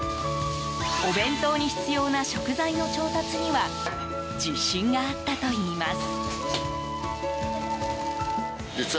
お弁当に必要な食材の調達には自信があったといいます。